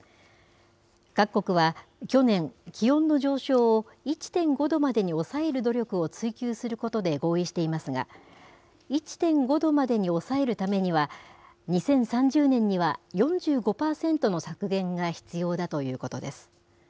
各国は、去年、気温の上昇を１．５度までに抑える努力を追求することで合意していますが、１．５度までに抑えるためには、２０３０年には４５％の削減が必要だということです。